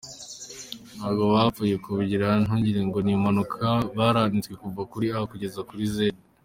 Ntabwo bapfuye kubikugira ntugirengo ni impanuka, baranditswe kuva kuri A kugeza kuri Z.